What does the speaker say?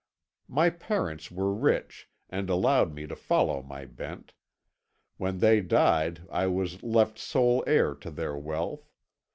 "My parents were rich, and allowed me to follow my bent. When they died I was left sole heir to their wealth.